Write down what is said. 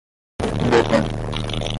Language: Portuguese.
borrão